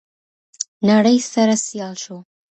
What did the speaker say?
نړۍ سره سيال شو.